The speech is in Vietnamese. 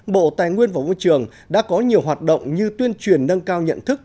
bộ tài nguyên và môi trường đã có nhiều hoạt động như tuyên truyền nâng cao nhận thức